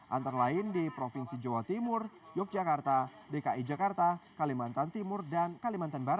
antara lain di provinsi jawa timur yogyakarta dki jakarta kalimantan timur dan kalimantan barat